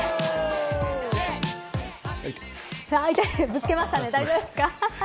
ぶつけましたね大丈夫ですか。